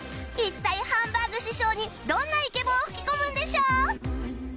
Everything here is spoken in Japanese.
一体ハンバーグ師匠にどんなイケボを吹き込むんでしょう？